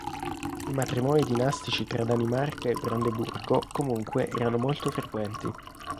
I matrimoni dinastici tra Danimarca e Brandeburgo comunque erano molto frequenti.